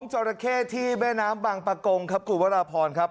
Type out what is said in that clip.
จราเข้ที่แม่น้ำบางประกงครับคุณวราพรครับ